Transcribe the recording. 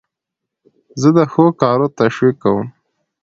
زه د ښو کارو تشویق کوم.